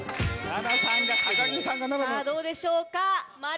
さぁどうでしょうか？